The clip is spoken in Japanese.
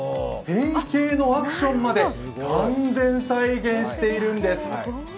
変形のアクションまで完全再現しているんです。